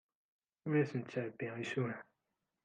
Ur asen-d-ttɛebbiɣ isura.